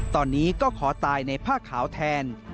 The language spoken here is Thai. ตอนนี้ก็ขอตายในผ้าขาวแทน